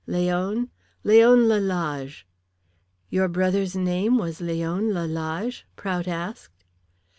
"Leon ?" "Leon Lalage." "Your brother's name was Leon Lalage?" Prout asked.